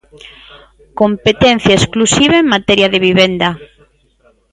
Competencia exclusiva en materia de vivenda.